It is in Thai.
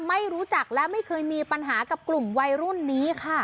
ไม่รู้จักและไม่เคยมีปัญหากับกลุ่มวัยรุ่นนี้ค่ะ